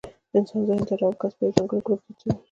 د انسان ذهن دا ډول کس په یو ځانګړي ګروپ کې اچوي.